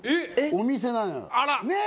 お店なのよね